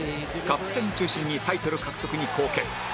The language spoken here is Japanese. カップ戦を中心にタイトル獲得に貢献